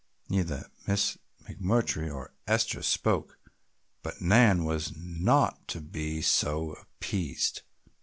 Neither Miss McMurtry nor Esther spoke, but Nan was not to be so appeased.